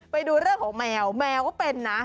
ไปดูเรื่องของแมวแมวก็เป็นนะ